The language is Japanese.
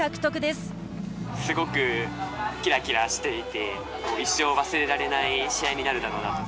すごくきらきらしていて一生忘れられない試合になるだろうなと。